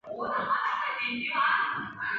本届赛事继续在水晶宫国家体育中心举行。